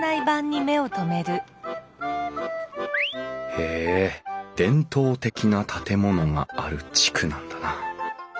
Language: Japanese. へえ伝統的な建物がある地区なんだな。